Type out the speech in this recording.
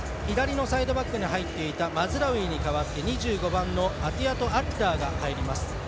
左のサイドバックに入っていたマズラウイに代わって２５番アティアトアッラーが入ります。